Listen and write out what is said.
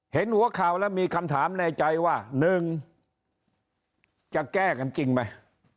เห็นหัวข่าวแล้วมีคำถามในใจว่า๑จะแก้กันจริงไหม